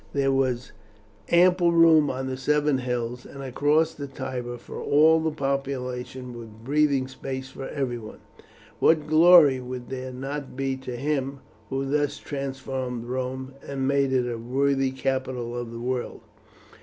There was ample room on the seven hills, and across the Tiber, for all the population, with breathing space for everyone. What glory would there not be to him who thus transformed Rome, and made it a worthy capital of the world!